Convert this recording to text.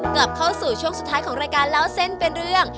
กลับเข้าสู่ช่วงสุดท้ายของรายการเล่าเส้นเป็นเรื่อง